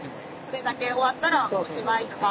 これだけ終わったらおしまいとか。